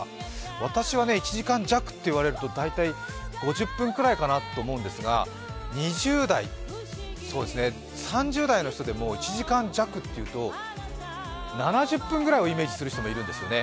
私は１時間弱といわれると大体５０分くらいかなと思うんですが、２０代、そうですね３０代の人でも１時間弱っていうと７０分ぐらいをイメージする人もいるんですね。